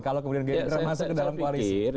kalau kemudian gerindra masuk ke dalam koalisi